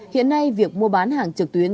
hiện nay việc mua bán hàng trực tuyến